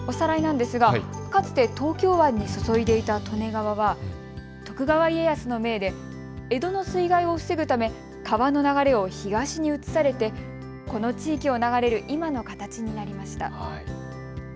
かつて東京湾に注いでいた利根川は徳川家康の命で江戸の水害を防ぐため川の流れを東に移されてこの地域を流れる今の形になりました。